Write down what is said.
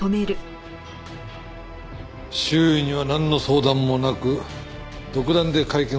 周囲にはなんの相談もなく独断で会見を行った。